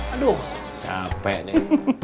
aduh capek deh